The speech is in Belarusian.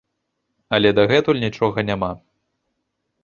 Але дагэтуль нічога няма!